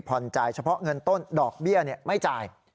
จ่ายเฉพาะเงินต้นดอกเบี้ยไม่จ่าย